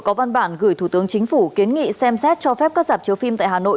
có văn bản gửi thủ tướng chính phủ kiến nghị xem xét cho phép các giảm chiếu phim tại hà nội